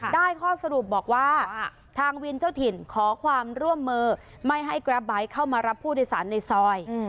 ได้ข้อสรุปบอกว่าทางวินเจ้าถิ่นขอความร่วมมือไม่ให้กราฟไบท์เข้ามารับผู้โดยสารในซอย